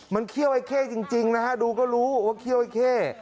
มันเขี้ยวไอ้เข้จริงนะฮะดูก็รู้ว่าเคี่ยวไอ้เข้